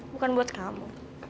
bukan buat kamu